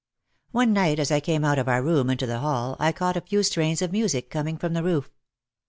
One night as I came out of our room into the hall I caught a few strains of music coming from the roof.